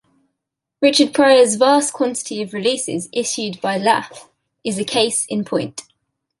Richard Pryor's vast quantity of releases issued by Laff is a case in point.